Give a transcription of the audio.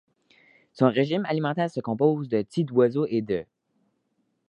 Son régime alimentaire se compose de petits d'oiseaux et d'œufs.